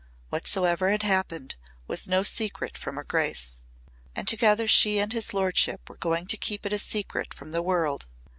Whatsoever had happened was no secret from her grace. And together she and his lordship were going to keep it a secret from the world.